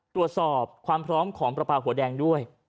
ตรวจสอบความพร้อมของประปาหัวแดงด้วย